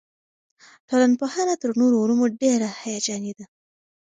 ټولنپوهنه تر نورو علومو ډېره هیجاني ده.